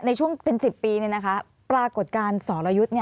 ในช่วงเป็น๑๐ปีปรากฏการณ์สรยุทธ์